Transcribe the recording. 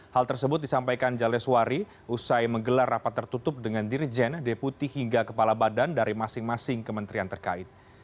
hal tersebut disampaikan jaleswari usai menggelar rapat tertutup dengan dirjen deputi hingga kepala badan dari masing masing kementerian terkait